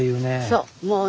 そう。